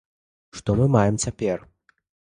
Што мы маем цяпер?